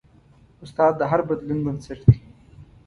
استاد د هر بدلون بنسټ دی.